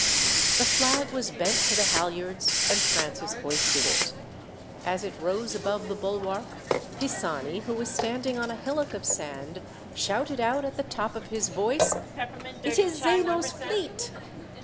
The flag was bent to the halyards and Francis hoisted it. As it rose above the bulwark, Pisani, who was standing on a hillock of sand, shouted out at the top of his voice: "It is Zeno's fleet!"